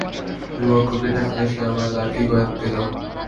দুর্ভাগ্যকে ঠেকাতে সে আমায় লাকি কয়েন দিল।